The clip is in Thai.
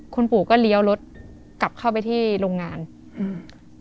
คุณปู่ก็เลี้ยวรถกลับเข้าไปที่โรงงานอืม